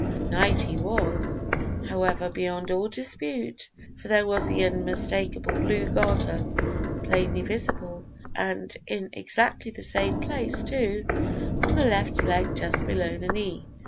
A knight he was, however, beyond all dispute, for there was the unmistakable blue garter plainly visible, and in exactly the right place, too, on the left leg just below the knee.